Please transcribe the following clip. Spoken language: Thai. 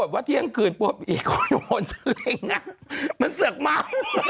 นายยกขึ้นเป้า